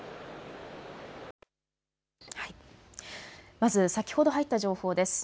まず先ほど入った情報です。